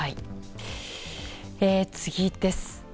次です。